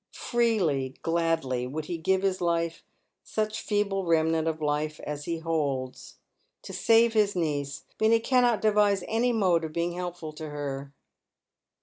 Freely, gladly would he give his life — such feeble remnant of life as he holds — to save his niece, but he cannot devise any mode of being helpful to her.